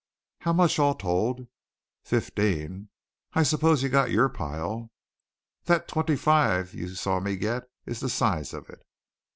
"How much all told?" "Fifteen. I suppose you've got your pile." "That twenty five you saw me get is the size of it."